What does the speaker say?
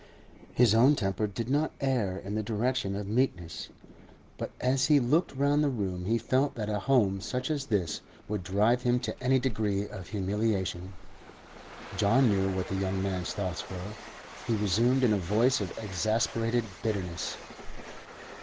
His own temper did not err in the direction of meekness, but as he looked round the room he felt that a home such as this would drive him to any degree of humiliation. John knew what the young man's thoughts were; he resumed in a voice of exasperated bitterness.